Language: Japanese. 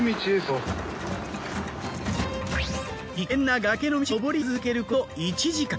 危険な崖の道を上り続けること１時間。